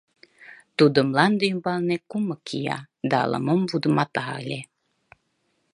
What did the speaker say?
Тудо мланде ӱмбалне кумык кия да ала-мом вудымата ыле.